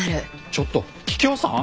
ちょっと桔梗さん？